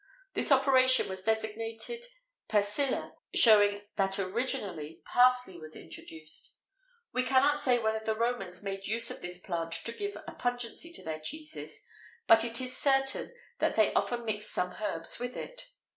This operation was designated persiller, showing that originally parsley was introduced.[XVIII 57] We cannot say whether the Romans made use of this plant to give a pungency to their cheese, but it is certain that they often mixed some herbs with it.